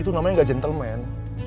itu namanya gak gentleman